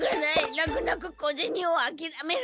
なくなく小ゼニをあきらめる。